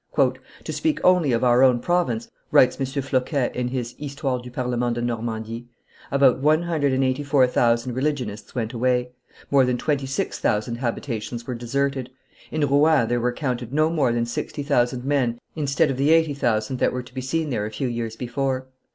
"To speak only of our own province," writes M. Floquet in his Histoire du Parlement de Normandie, "about one hundred and eighty four thousand religionists went away; more than twenty six thousand habitations were deserted; in Rouen there were counted no more than sixty thousand men instead of the eighty thousand that were to be seen there a few years before.